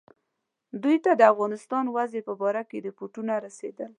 دوی ته د افغانستان وضع په باره کې رپوټونه رسېدل.